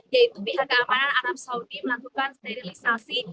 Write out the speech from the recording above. yaitu pihak keamanan arab saudi melakukan sterilisasi